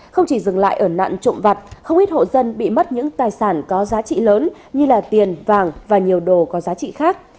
không chỉ dừng lại ở nạn trộm vặt không ít hộ dân bị mất những tài sản có giá trị lớn như tiền vàng và nhiều đồ có giá trị khác